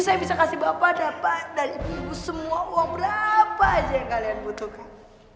saya bisa kasih bapak dapat dari ibu ibu semua uang berapa aja yang kalian butuhkan